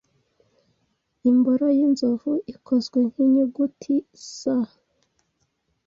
Imboro yinzovu ikozwe nki Inyuguti S.